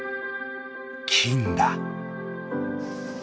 金だ。